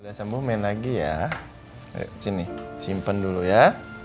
udah sembuh main lagi ya sini simpen dulu ya